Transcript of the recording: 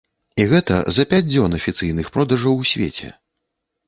І гэта за пяць дзён афіцыйных продажаў у свеце.